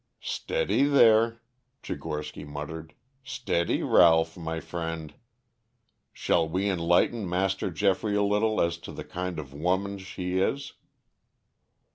"Steady, there," Tchigorsky muttered. "Steady, Ralph, my friend. Shall we enlighten Master Geoffrey a little as to the kind of woman she is?"